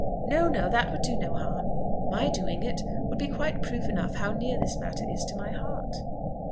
"No, no, that would do no harm. My doing it would be quite proof enough how near this matter is to my heart."